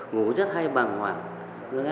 ngủ rất hay bằng hoảng